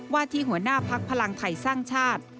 ที่หัวหน้าพักพลังไทยสร้างชาติ